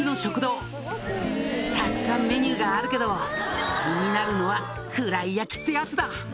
「たくさんメニューがあるけど気になるのはふらい焼ってやつだ」